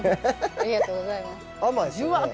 ありがとうございます。